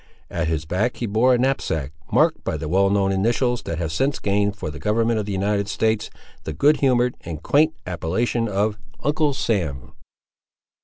At his back he bore a knapsack, marked by the well known initials that have since gained for the government of the United States the good humoured and quaint appellation of Uncle Sam.